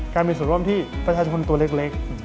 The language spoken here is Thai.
มีส่วนร่วมที่ประชาชนตัวเล็ก